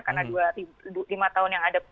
karena lima tahun yang lalu itu ya